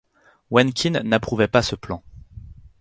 Wen Qin n'approuvait pas ce plan.